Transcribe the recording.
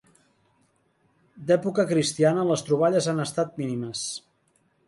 D'època cristiana les troballes han estat mínimes.